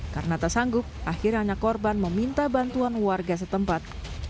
karena tersanggup akhirnya korban meminta bantuan warga setempat